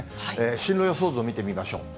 進路予想図を見てみましょう。